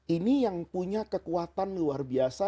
ini yang punya kekuatan luar biasa